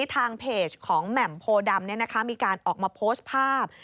ทางเพจของแหม่มโพดำมีการออกมาโพสต์ภาพ